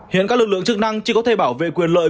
hiện các lực lượng chức năng chỉ có thể bảo vệ quyền lợi